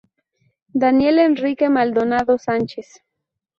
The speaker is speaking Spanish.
Daniel Enrique Maldonado Sánchez.